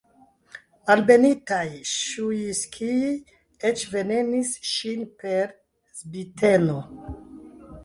Malbenitaj Ŝujskij'j eĉ venenis ŝin per zbiteno!